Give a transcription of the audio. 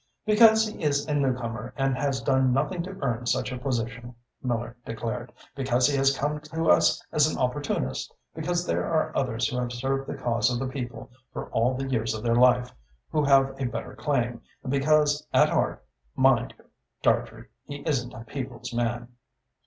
"Because he is a newcomer and has done nothing to earn such a position," Miller declared; "because he has come to us as an opportunist, because there are others who have served the cause of the people for all the years of their life, who have a better claim; and because at heart, mind you, Dartrey, he isn't a people's man."